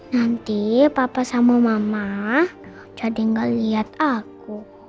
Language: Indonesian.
nanti papa sama mama jadi gak lihat aku